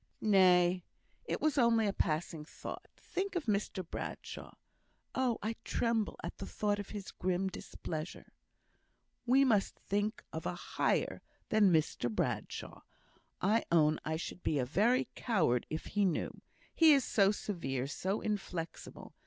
"Nay, it was only a passing thought. Think of Mr Bradshaw. Oh! I tremble at the thought of his grim displeasure." "We must think of a higher than Mr Bradshaw. I own I should be a very coward, if he knew. He is so severe, so inflexible.